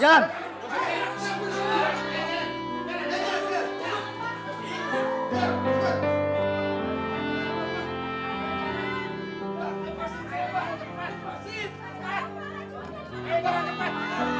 jalan jalan jalan